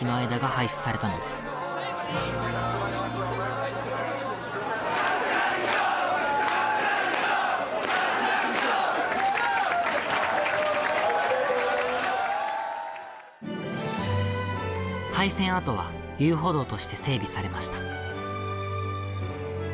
廃線跡は遊歩道として整備されました。